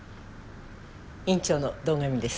院長の堂上です。